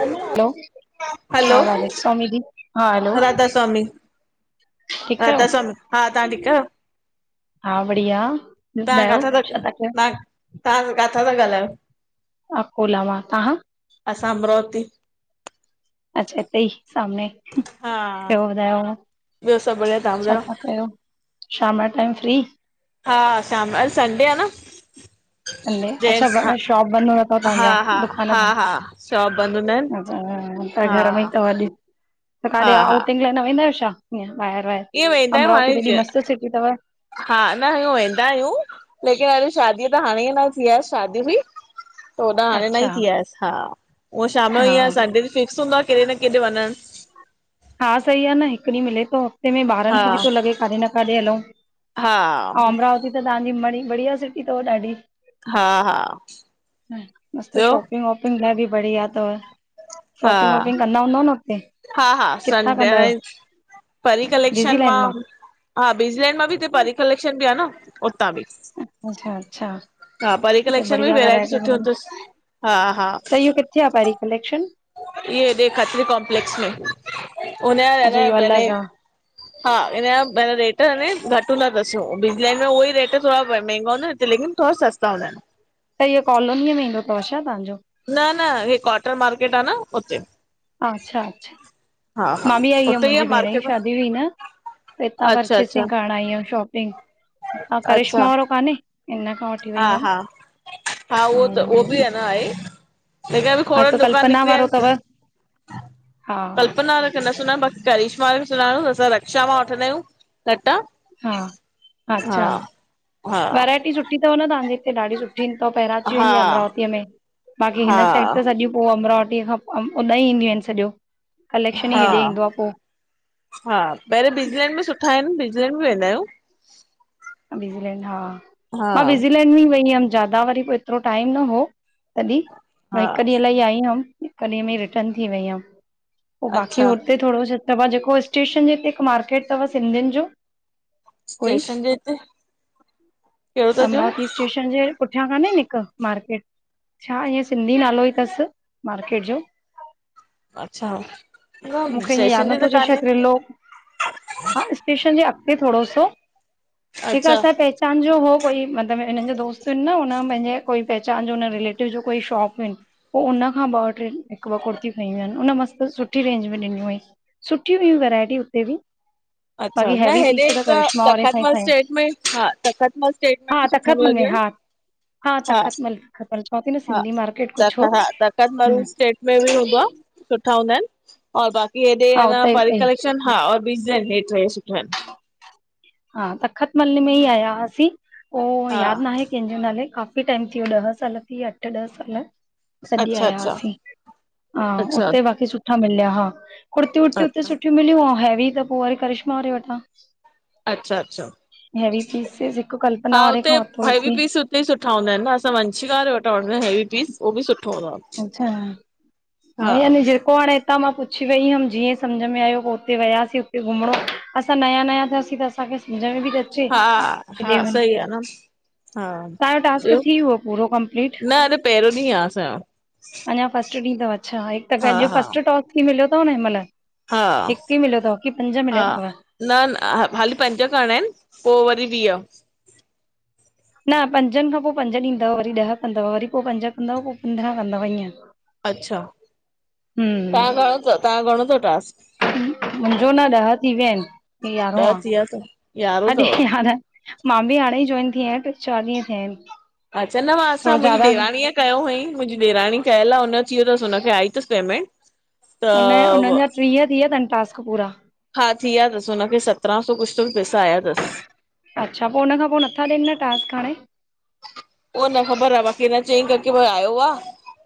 Hello, हां, hello भाभी राधा स्वामी जी। हा हलो राधा ठीकु स्वामी-राधा आहियो स्वामी, हां तव्हां ठीक आहियो? हां, बढ़िया, तव्हां ॿुधायो काथां छा था कयो? तव्हां तव्हां काथा ता गाल्हायो? अकोला मां, तव्हां? असां अमरावती। अच्छा, टेहि सामने, हा बुधायो ॿियो सभु बढ़िया तव्हां छा ॿुधायो? था कयो? शाम जो टाइम फ्री? हा शाम अॼ संडे आह न। संडे जेंट्स हा अच्छा, शॉप बंद हूंदा तव तहां हा जा हा दुकान हा हा शॉप बंदि हूंदा आहिनि अच्छा त हा घर में ई तव अज़? त हा काथे हा आउटिंग लाइ न वेंदा आहियो छा ईअं ॿाहिर वाहेर? ईअं वेंदा आहियूं अमरावती हाणे त हेॾी जीअं मस्त सिटी तव हा न इयूं वेंदा आहियूं, लेकिन वरी शादीअ त हाणे ई न थी आहेस शादी बि होॾा हाणे न अच्छा ई थी आयस, हाअ शाम जो हा ई संडे फिक्स हूंदो आ केॾे न केॾे वञण हा सही आह न, हिकु ॾींहुं मिले थो म ॿारनि खे बि हा थो लॻे काॾे न काॾे हलऊ हा अऊं अमरावती त तहांजी मणी बढिया सिटी तव ॾाढी। हा हा मस्त ॿियो शॉपिंग वांपि शॉपिंग लाइ बि बढ़िया त, शॉपिंग वॉपिंग कंदा हूंदव न हुते? हा-हा सं किथां कंदा आहियो? परी बिज़ी कलेक्शन लाइन मां हा बिजलैंड मां बि हिते परी कलेक्शन बि आह न उत्ता बि अचछा-अच्छा हा परी कलेक्शन में वेरायटिय सुठी हूंदी तस हा-हा त हिय किथे आ परी कलेक्शन? इय हेॾे खत्री कॉमप्लेक्स में, उ अच्छा र इहो नने अलॻि आ। हा हिन जा भ रेट अने घट हूंदा तस, बिजलैंड लाइन में उहो ई रेट थोरा महांगा ह न हिते किन थोड़ा सस्ता हुनदा आहिन त इीह कॉलोनीअ में ईंदो थव छा तव्हांजो? न-न हे कॉटन मार्केट आ न हुते अच्छा-अच्छा हा मां बि आई हुअम उते ई आ मुंहिंजी भेण मार्केट जी शादी हुई न त हितां अच्छा अच्छा परचेसिंग करण आई हम शॉपिंग, तां करिश्मा वारो काने? इन खां वठी वई हुयमि। हा-हा-हा उहो त उहो बि ऐं अन्ना आहे त क बि खोड़ हिकु दुकान कल्पना नकलीय वारो तव। आहिन हा कल्पना न सुञाण बाक़ी करिशमा बि सुञाण असां रक्षा मां वठंदा आहियूं लटा हा, हा अच्छा हा वैरायटी सुठी थव न तव्हांजे हिते ॾाढी सुठी सुठी त पहिरांची वेंदी हा अमरावतीअ में बाक़ी हिन हा साइड ते सॼो पो अमरावतीअ खां उॾाईं ईंडीयूं आहिनि सॼो कलेक्शन ई हा हेॾे ईंदो आहे पोइ हा पहिरियों बिजलैंड में सुठा आहिन बिजलैंड बि वेंदा आहियूं। ब्यूज़ीलैंड हा हा मां ब्यूज़ीलैंड में वई हुअमि ज्यादा वरी पो एतिरो टाइम न हो। तॾहिं मां हा हिकु ॾींहुं लाइी आई हुअमि हिकु ॾींहं में रिटन थी वई हुयमि पो बाक़ी अच्छा हुते थोरो त जेको स्टेशन जे हिते हिक मार्केट तव सिंधियुनि जो। कोई स्टेशन जे हि ते अमरावती स्टेशन जे पुठियां कान्हे हिक मार्केट छा ईअं सिंधी नालो ई अथसि मार्केट जो अच्छा न मूंखे ईअ स्टेशन यादि न ते थो त अचे शायद कान्हे त्रिलोक हा स्टेशन जे अॻिते थोरो सो हिकु अच्छा असांअ पहचान जो हो कोई मतिलबु हिननि जो दोस्त आहिनि न हुन पंहिंजे कोई पहचान जो हुन रिलेटिव जो कोई शोप हुई पो हुन खां ॿ टे हिकु ॿ कुर्तियूं खयूं आहिनि हुन मस्तु सुठी रेंज में ॾिनूं अई। सुठियूं हुयूं वैरायटी हुते बि। अच्छा, बाक़ी न हैवी हेॾे पीस त करिश्मा वारे खां तखत ई मल खयूं स्टे में हा तखत मल स्टेट में हा बि सुठो तख़तमल में मिलंदियूं हा आहिनि। हा तख़तमल तख़तमल चवां थी न हा सिंधी मार्केट कुझु तख हो हा तख़त मल हम्म स्टेट में बि हूंदो आ। सुठा हूंदा आहिनि और बाक़ी हा हेॾे उते ई परी उते ई कलेक्शन हा और टे सुठा आहिनि। हा तख़त मले में ई आया असीं उह हा यादि नाहे कंहिंजो नाले काफ़ी टाइम थी वियो ॾह साल थी विया अठ ॾह साल। तॾहिं अच्छा अच्छा आयासीं हा अच्छा उते बाक़ी सुठा मिलिया हा। कुर्ती वुर्तीयूं उते अच्छा सुठियूं मिलियूं ऐं हैवी त पोइ वरी करिश्मा वारे वटां। अच्छा अच्छा, हैवी पीसिस हिकु कल्पना हा वारे हुते खां वरितो हैवी हुयसि पीस इते सुठा हूंदा आहिनि न असां वंशिका वारे वटा वठंदा आहियु हेवी पीस उहो बि सुठो हूंदो आ। अच्छा, हा यानी जेको हाणे इतां मां पुछी वई हुअमि जीअं सम्झ में आयो पोइ हुते वियासीं हुते घुमणो असां नया नया थियासीं त असांखे सम्झ में बि त अचे। हा केॾे हा वञ सही आ न। हा तव्हांजो टास्क ॿियो, थी वियो पूरो कंप्लीट न अॾु पहिरों ॾींहुं आ असां जो। अन्या फस्ट ॾि तव अच्छा हिकु त फस्ट टास्क ई मिलियो तव न हिमल। हा हिक ई मिलियो तव की पंज मिलिया हा तव? न न हाली पंज करिणा आहिनि पो वरी वीह। न पंजनि खां पोइ पंज ॾींदव वरी ॾह कंदव वरी पोइ पंज कंदव पोइ पंद्रहं कंदव ईअं‌। अच्छा, तहां जो घणो, तव्हां घणो तव टास्कु? मुंहिंजो न ॾह थी विया आहिनि हे यारहों ॾह आ, थी विया अथव यारहों अॼु अथव यार मां बि हाणे ई जॉइन थी आहियां बस चारि ॾींहं थिया आहिनि। अच्छा न मां असां थोरो ज्यादा मुंहिंजी ॾेराणी अ कयो हुयई। मुंहिंजी ॾेराणी कयल आहे हुन अच वियो तसि हुनखे आई तसि पेमेंट। त उन उननि जा टीह थी वया तनि टास्क पूरा। हा थी विया तसि हुनखे सतराहं सौ कुझु त बि पैसा आया तसि। अच्छा, पो हुनखां पो नथा ॾियनि न टास्क हाणे? उहो न ख़बर आ। बाक़ी हिन चई करके आयो आ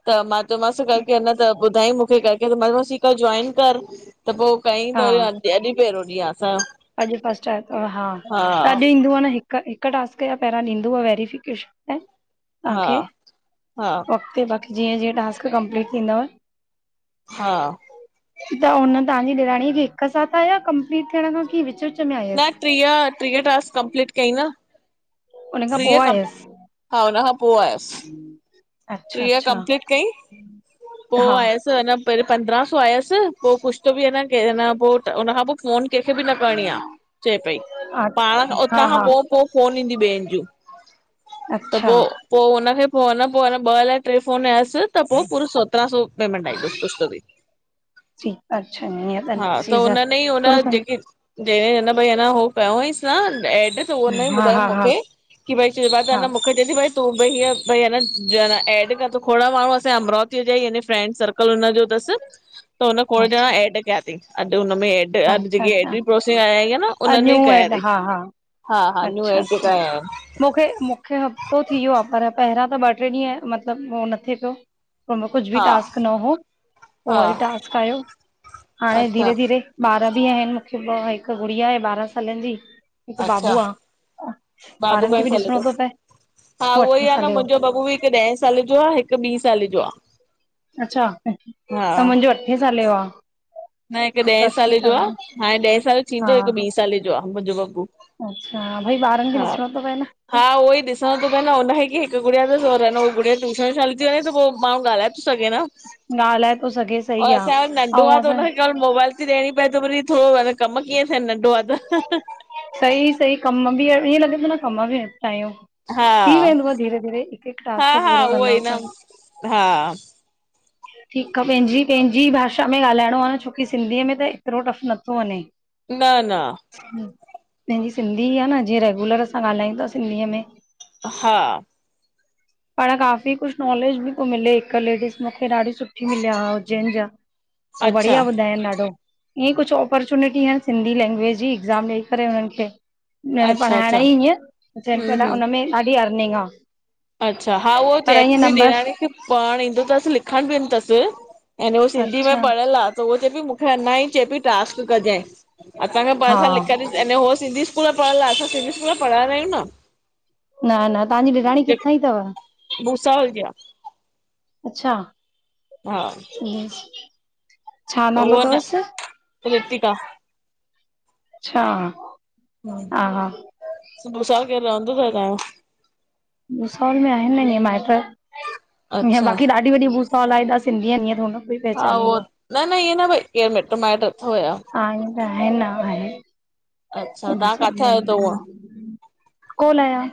त मां चयोमांसि करके अञा त ॿुधाई मूंखे करके मां चयोमासि जॉइन करु। त पोइ कईं हा त वरी अॼु पहिरों ॾींहुं आ असांयो। अॼु फस्ट आयो तव हा त अॼु ईंदो आ न हिकु टास्क जा पहिरां ॾींदो आ वेरिफिकेशन में हा तहांखे। हा वक़्ते बाक़ी जीअं जीअं टास्क कंप्लीट थींदव। हा। त हुन तहांजी ॾेराणीअ खे हिक साथ आया कमपलीट थियण खां, की विच विच में न आयसि? टीह टीह टास्क कंप्लीट कई न। उन खां पो टीह कम आयसि हा हुन खां पोइ आयसि। [unintelligible] टीह अच्छा कंपलीट कई पो हा आयसि अन पहिंरीं पंद्रहं सौ आयसि पो कुझ तो बि अ न क न पोइ हुन खां पो फोन कंहिंखे बि न करणी आ चए पई, पाण हा उतां खां हा पो पो फोन ईंदी ॿियनि जूं त अच्छा पो पो हुनखे पो ॿ अलाए टे फोन आयसि त पो पूरो सत्रा सौ पेमेंट आईंतसि कुछु त भी। सी अच्छा ईअं हा, त सीज़र उनने ई हुन थोरो सो जेके जेड़े हुन भैया न हो कयो हुईस न ऐड। त उनई हा ॿुधाई हा हा मुखे कि भई सेवा त हा मुखे थे ती पर तूं बी हीयं भई अन जो अन एड कयो त खोड़ माण्हू असांजे अमरावती जा ई यानी फ्रैंड सर्कल हुन जो तस। त हुन खोड़ ॼणा अच्छा एड कयां तई। अॼ हुन में एड अॼ अच्छा जेकी अच्छा एडिड प्रोसिंग, आईं आ न उनने अञू ई कया एड तई। हा हा हा, हा न्यू एड त मुखे हफ़्तो थी वियो आ, पर पहरियां, त ॿ ट्रे ॾींहं मतलब उहो न थे पियो। पो उनमें कुछ बि हा टास्क न हो। पो हा वरी टास्क आयो। हाणे अच्छा धीरे-धीरे ॿार बि आहिन मूंखे, हिक गुड़िया आहे, ॿारहां सालन जी हिक बाबू अच्छा आ। बाबू घणे साले जो तव? हा, उहो ई अठे आ न, साले जो मुंजो बबू बि हिक ॾहें साल जो आ, हिक ॿी साल जो आ। अच्छा, त मुंजो अठे साले जो आ। न हिक ॾहें साले जो आ, हाणे ॾहें साल जो हा थींदो, हिकु ॿी साले जो आ मुंजो बबू। अच्छा, भई ॿारन खे हा ॾिसणो तो पए न। हा उहो ई ॾिसणो तो पए न, हुनखे हिक ई हिक गुड़िया तस, और अन हू गुड़िया ट्यूशन हलजी वञेस त पो माण्हू ॻाल्हाए तो सघे न। ॻाल्हाए तो सघे सही आ, अऊं अगर अॼकल मोबाइल ती ॾियणी पए त वरी थोड़ो कम कीअं थियन? नंढो आ त। सही, सही कम बि आहिन। इअं लॻे तो न कम बि निपटायूं। हा थी वेंदुव धीरे-धीरे हिक हिक हा टास्क हा पूरो उहो ई कंदव न त। हा ठीक आ, पैंजी पैंजी भाषा में ॻाल्हाइणो आ न छोकी सिंधीअ में त एतरो टफ नथो वञे। न न पैंजी सिंधी ई आ न जीअं रेगुलर असां ॻाल्हायूंता सिंधीअ में। हा पाण काफी कुछ नॉलेज बि तो मिले हिक लेडीस मूंखे ॾाढी सुठी मिलिया उज्जैन जा, हो बढ़िया अच्छा ॿुधायन ॾाढो। ईअं कुछ ऑपॉर्चुनिटी आहिन, सिंधी लेंंग्वेज जी एक्ज़ाम ॾेई करे हुनन खे न न अच्छा पढ़ाइण अच्छा जी ईअं, हू चेन हम्म पिया हम्म हुनमें ॾाढी अर्निंग आ। अच्छा हा उहो पर चैट ईअं में नंबर ॾेराणी खे पढ़ण ईंदो तस। लिखण बि ईंदो तस ऐं हो सिंधी में अच्छा पढ़ियल आ। त उअ चऐ पई मूंखे अञा ई चए पई टास्क कजाएं। असांखे हा पैसा लिख अन उ सिंधी स्कूल में पढ़यल आ। असां सिंधी स्कूल में पढ़यल आयूं न। न, न तहांजी ॾेराणी किथां जी तव? भूसावल जी आ। अच्छा हा छा त नालो उहो न तवस? रितिका अच्छा हा, हा छो भूसावल केर रहंदो तव तांजो? भूसावल में आहिन ईअं माएट्र हिअं अच्छा बाक़ी ॾाढी एॾी वॾी भूसावल आए एॾा सिंधी आहेन। हा उहो न न इअं न भई के मिट माइट अथव छा? हा ईअं त आहिन न, आहेन, अच्छा तव्हां किथे आहियो त हूअं [unintelligible] कोन आयां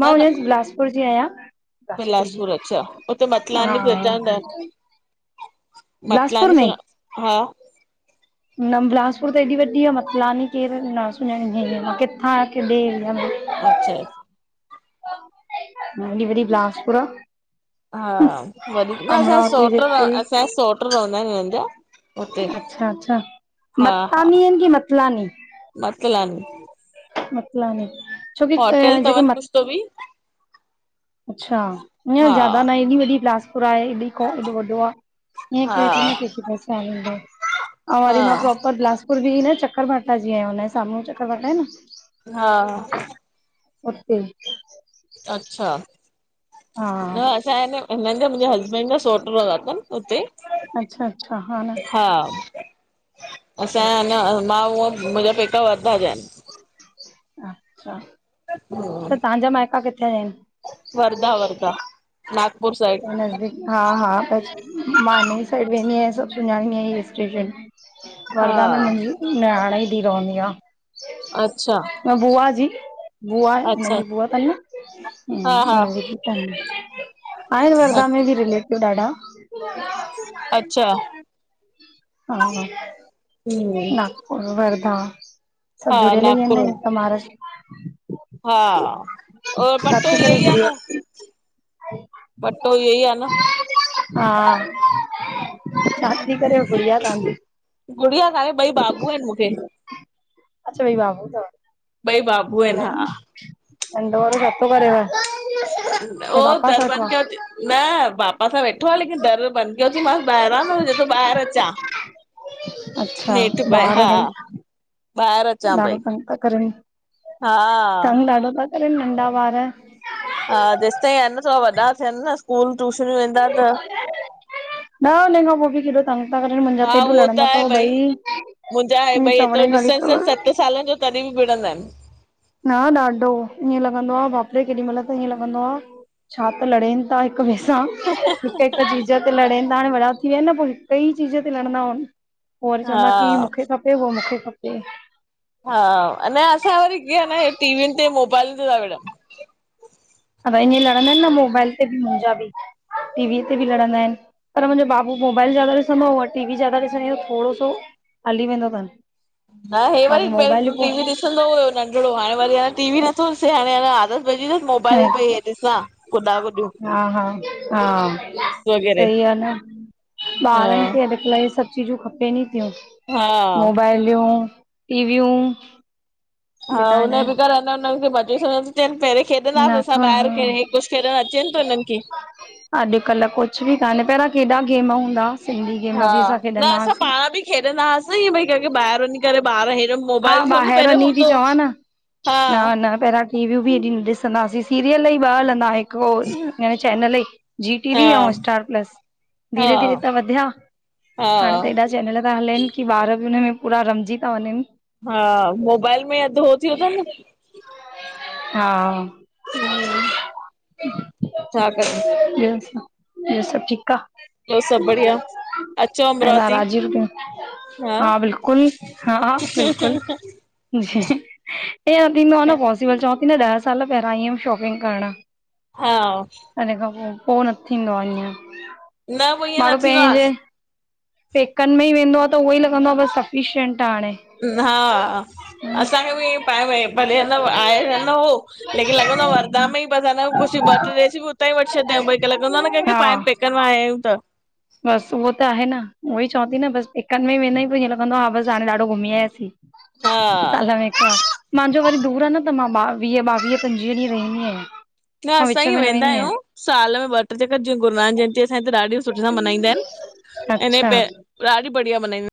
मां न न उन बिलासपुर जी आयां। बिलासपुर अच्छा उते हा मतलानी पहेचांदा आयो? बिलासपुर मतलानी में सु हा। न बिलासपुर त ऐएॾी वॾी आहे मतलानी केरु आहिन न सुञाणंदी खयां मां किथां आ केॾे। अच्छा। हे ॾी वॾी बिलासपुरा आ। हा वधीक न असांजा अमरावती जे सोट पूरे असांजा सोट रहंदा आहिन हिनन जा। हुते अच्छा- अच्छा हा हा मततानी आहिन की मतलानी? मतलानी मतलानी छोकी अ, होटल अथव जेके न मत कुझ त बि अच्छा इ हा ज्यादा न हेॾी वॾी बिलासपुर आहे ॾी ॾो वॾो आ। इय हा केर कोई थोॾी न केखे पहचान दो अऊं हा मां परोपर बिलासपुर पुर्वी न चक्कर वाटा जीअं आया हुनजे साम्हूं चक्कर वाटा आहे न हा अते अच्छा हा न छा आहे न हिननि जा मुंहिंजे हस्बैंड जा सोट रहंदा अथनि हुते। अच्छा -अच्छा हा न हा असांजा न मां उअ मुंहिंजा पैका वर्धा जा आहीन। अच्छा हूं तहां जा मायट किथां जाआहिन? वर्धा वर्धा नागपुर हिते साइड नज़दीक हा हा बस मां हिन ई साइड वेंदी आहियां सभ सुञाणी आया इस्तेशन हा वर्धा में मुंहिंजी न्याणाई धीय‌ रहंदी आ। अच्छा मां बुआ जी बुआ हुननि अच्छा जी बु अथाई हा हा हुननि जी अथन। आहिन अ वर्धा में बि रिलेटिव ॾाढा। अच्छा हा- हा न वर्धा हा सभु जुड़ेल ई आहे नागपुर में न महाराष्ट्र हा और छा पटो थी ई करे योइ आ गुड़िया न [inaudible] वटो ई इ ई आहे न हा छा थी करे गुड़िया तहांजी? गुड़िया काने ॿई बाबू आहिन मूंखे। अच्छा ॿई बाबू तव? भई बाबू आहिन न हा। नंढो वारो छा तो करेव? उहो पापा दर सां अठवा? बंदि कयो थी न पापा सां वेठो आहे लेकिन दर बंदि कयोथी मसि ॿाहिरां न हु ॿाहिर अचां। अच्छा हेठि भई ॿार हा ॿई? ॿाहिरि अचां ॾाढो पई तंग था करनि हा तंग ॾाढो था करनि नंढा ॿार। हा जेस ताईं आहे न थो वॾा थियनि न स्कूल टूशनियूं वेंदा त न हुन खां पोइ बि केॾो तंग था करनि मुंहिंजा हा त हेएॾो उहो लड़ंदा आहे अथव भई ॿई। मुंहिंजा ॿई एतिरो डिस्टेंस सत सालनि जो तॾहिं बि विणंदा आहिन। न ॾाढो, ईअं लॻंदो आह, बाप रे केॾी मइल त ईअं लॻंदो आह, छा त लड़ेनि। त हिक ॿिए सां, हिक- हिक चीज ते लड़ेनि था, हाणे वड़ा थी विया न पोइ हिकई चीज़ ते लड़ंदा आहिनि। पोइ वरी चवंदा की हा मूंखे खपे, उहो मूंखे खपे। हा अ न असां वरी ग न टीवीनि ते मोबाइलनि ते था विड़न्। अ ईअं लड़ंदा आहिनि न मोबाइल ते बि, मुंहिंजा बि टीवीअ ते बि लड़ंदा आहिनि। पर मुंहिंजो बाबू मोबाइल जादा ॾिसंदो और टीवी जादा ॾिसंदी थोड़ो सो। हली वेंदो अथनि। न हे बाक़ी वरी मोबाइल पहिरीं टीवी पोइ ॾिसंदो हुयो नंढिड़ो, हाणे वरी टी वी नथो ॾिसे, हाणे अ आदत मिली वियसि मोबाइल पई ॾिसां, गुॾा- गुॾियूं। हा हा हा वग़ैरह सही आहे न, हा ॿारनि खे अ इ सभु चीजूं खपेनि ई थियूं, हा मोबाइलूं ऐं टीवियूं। हा बिना हुन बिगर हिन अञां, हुननिखे मज़ो थोड़ई न थियनि परे। [unintelligible] खेॾंदासीं असां नथो ॿाहिरि, खे कुझु खेॾणु अचेनि थो हिननि खे? [unintelligible] अॼुकल्ह कुझु बि कान्, पहिरां केॾा गेम हूंदा हुआ। सिंधी गेम हा बि असां न खेॾंदा असां हुआसीं। पाण बि खेॾंदा हुआसीं, ईअ भई कहिंखे ॿाहिरि वञी करे ॿार हिरन्। हा ॿाहिरि वञी थी चवां न, हा मां पहिरां टीवियूं बि एॾी न ॾिसंदासीं, सीरियल ई ॿ हलंदा, हिकु ओ चैनल ई जी टी वी हा ऐं स्टार प्लस धीरे हा धीरे त वधिया हाणे हा त हेॾा चैनल था हलनि, की ॿार बि हुनमें पूरा रमजी था वञनि। हा मोबाइल में अध हो थियो थनि। हा। हुं, छा कजे? [unintelligible] ॿियो सभु ठीक आह। ॿियो सभु बढ़िया? अचो ऐं न अमरावती राजीव [unintelligible] हा बिल्कुल, हा बिल्कुल, जी ईंऐं थींदो आ न। पॉसिबल चवां थी न, ॾह साल पहिरां आई हुयमि शॉपिंग करण। हा। अ इने खां पो, पो न थींदो आ ईअं। न पोइ, ईअं न माण्हू थींदो आहे। पंहिंजे पेकनि में ई वेंदो आहे त उहो ई लॻंदो आहे बसि सफिशिंट आहे, हाणे। हा, असांखे बि पाए भले ह न आहे न हो। [unintelligible] लेकिन लॻंदो आहे वरदा में ई पसंद आ, ब कुश, ॿ- ट्रे ड्रेसियूं बि उतां ई वठी छॾंदायूं, भई कि लॻंदो न कहिंखे हा पाइ [unintelligible] करवाया आइयूं त [unintelligible] बसि उहो त आहे न, उहो ई चवांती न बस पेकनि में ई वेंदा आहियूं पो ईंहे लॻंदो आहे, बस हाणे ॾाढो घुमी आयासीं, हा साल में हिक बार। मांजो वरी दूर आह न। त मां ॿावीह, ॿावीह- पंजवीह ॾींहं रहींदी आहियां। न मां असां विच ईंएं में न वेंदा वेंदी आहियां आहियूं, साल में ॿ टे, जेका जीअं गुरुनानक जयंती असां हिते ॾाढी सुठे सां मल्हाईंदा आहिनि, अं न अच्छा पे, ॾाढी बढ़िया मल्हाईंदा आहिनि।